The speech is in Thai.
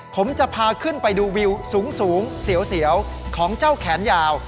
ผมจะพาขึ้นไปดูวิวสูงเสียวของเจ้าแขนยาว